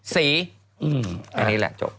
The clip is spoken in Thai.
สีอันนี้แหละจบ